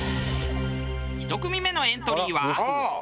１組目のエントリーは。